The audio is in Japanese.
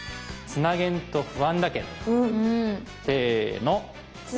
「つなげんと不安だけん」。